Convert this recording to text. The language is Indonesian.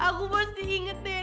aku pasti ingetin